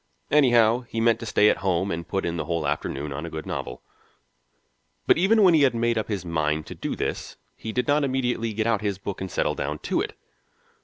Anyhow, he meant to stay at home and put in the whole afternoon on a good novel. But even when he had made up his mind to do this he did not immediately get out his book and settle down to it.